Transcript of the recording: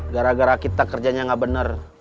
gara gara kita kerjanya gak bener